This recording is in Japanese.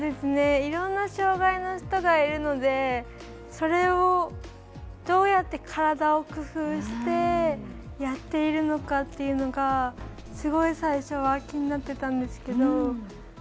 いろんな障がいの人がいるのでそれをどうやって体を工夫してやっているのかっていうのがすごい最初は気になっていたんですけど。